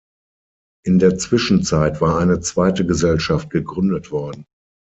In der Zwischenzeit war eine zweite Gesellschaft gegründet worden.